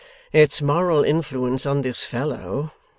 'Its moral influence on this fellow!